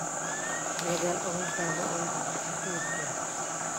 لەگەڵ ئەوەشدا بۆ ئەوەی باشتر تێبگەین